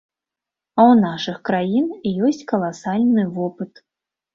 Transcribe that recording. А ў нашых краін ёсць каласальны вопыт.